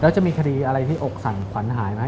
แล้วจะมีคดีอะไรที่อกสั่นขวัญหายไหม